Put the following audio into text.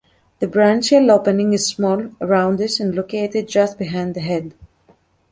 The branchial opening is small, roundish and located just behind the head.